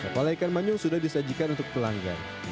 kepala ikan manyung sudah disajikan untuk pelanggan